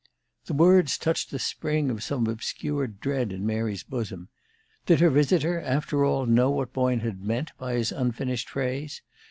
The words touched the spring of some obscure dread in Mary's bosom. Did her visitor, after all, know what Boyne had meant by his unfinished phrase?